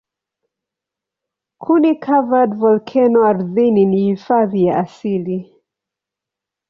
Kuni-covered volkeno ardhini ni hifadhi ya asili.